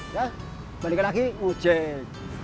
ya balik lagi ujek